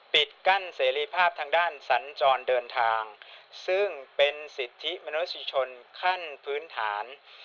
ปิดกั้นเสรีภาพทางด้านสัญจรเดินทางซึ่งเป็นสิทธิมนุษยชนขั้นพื้นฐาน